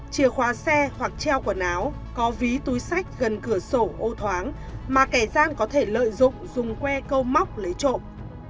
chìa khóa xe hoặc treo quần áo có ví túi sách gần cửa sổ ô thoáng mà kẻ gian có thể lợi dụng dùng que câu móc lấy trộm